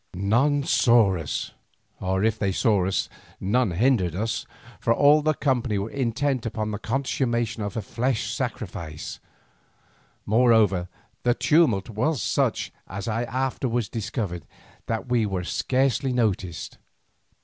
None saw us, or if they saw us, none hindered us, for all the company were intent upon the consummation of a fresh sacrifice; moreover, the tumult was such, as I afterwards discovered, that we were scarcely noticed.